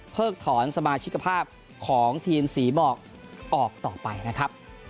ถอนสมาชิกภาพของทีมศรีบอกออกต่อไปนะครับ